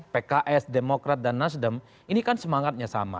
pks demokrat dan nasdem ini kan semangatnya sama